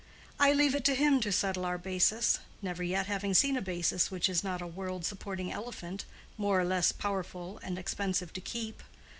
I leave it to him to settle our basis, never yet having seen a basis which is not a world supporting elephant, more or less powerful and expensive to keep.